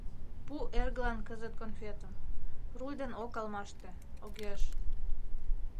Пу эргылан кызыт конфетым Руль ден ок алмаште, огеш!